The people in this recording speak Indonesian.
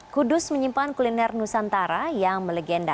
kudus menyimpan kuliner nusantara yang melegenda